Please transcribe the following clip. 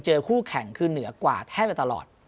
คู่แข่งคือเหนือกว่าแทบจะตลอด